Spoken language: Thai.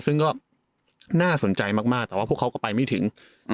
ซึ่งก็น่าสนใจมากแต่ว่าพวกเขาก็ไปไม่ถึง